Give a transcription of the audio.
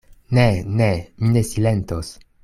Ne, ne; mi ne silentos.